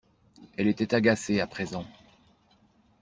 Elle était agacée à présent.